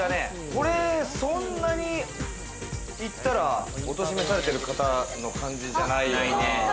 これそんなに言ったらお年めされてる方の感じじゃないね。